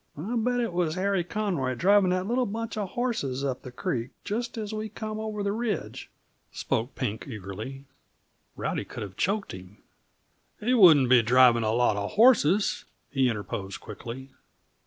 "I bet it was Harry Conroy driving that little bunch uh horses up the creek, just as we come over the ridge," spoke Pink eagerly. Rowdy could have choked him. "He wouldn't be driving a lot of horses," he interposed quickly.